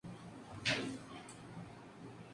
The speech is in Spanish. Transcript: Se juega por lo general en noviembre.